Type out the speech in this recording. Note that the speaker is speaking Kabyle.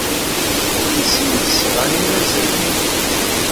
Seg wansi ay d-sɣan irazalen-nni?